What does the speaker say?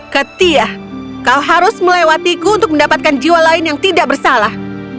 katia kau harus melewati ku untuk mendapatkan jiwa lain yang tidak bersalah